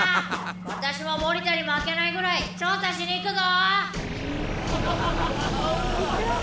私も森田に負けないぐらい調査しに行くぞ！